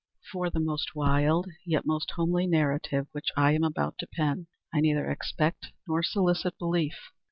For the most wild, yet most homely narrative which I am about to pen, I neither expect nor solicit belief.